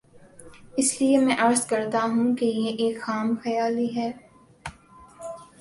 اس لیے میں عرض کرتا ہوں کہ یہ ایک خام خیالی ہے۔